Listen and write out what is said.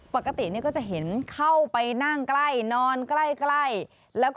ปกติก็จะเห็นเข้าไปนั่งใกล้นอนใกล้